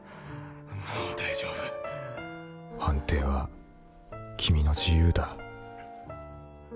もう大丈夫」「判定は君の自由だ」